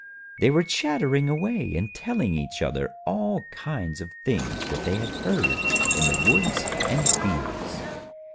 They were chattering away, and telling each other all kinds of things that they had heard in the woods and fields.